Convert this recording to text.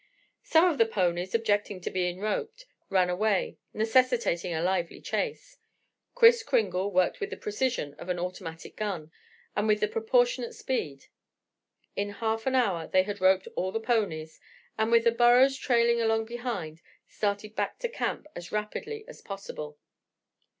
Some of the ponies, objecting to being roped, ran away, necessitating a lively chase. Kris Kringle worked with the precision of an automatic gun and with proportionate speed. In half an hour they had roped all the ponies, and, with the burros trailing along behind, started back to camp as rapidly as possible.